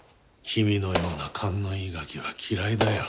君のような勘のいいガキは嫌いだよ